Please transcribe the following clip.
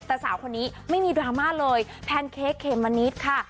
แต่สาวคนนี้ไม่มีดราม่าเลยแพนเค้กเขมมะนิดค่ะ